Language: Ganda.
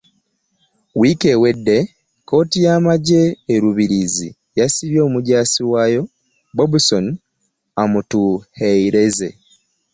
Wiiki ewedde, kkooti y'amagye e Rubirizi yasibye omujaasi waayo, Bobson Amutuheireze